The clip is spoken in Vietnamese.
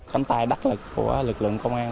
khẩn tài đắc lực của lực lượng công an